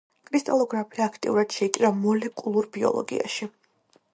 კრისტალოგრაფია აქტიურად შეიჭრა მოლეკულურ ბიოლოგიაში.